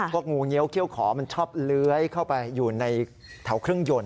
งูเงี้ยวเขี้ยวขอมันชอบเลื้อยเข้าไปอยู่ในแถวเครื่องยนต์